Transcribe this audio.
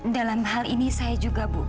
dalam hal ini saya juga bu